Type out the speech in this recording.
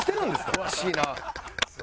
詳しいなあ。